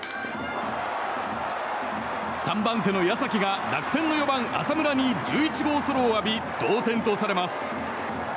３番手の矢崎が楽天の４番、浅村に１１号ソロを浴び同点とされます。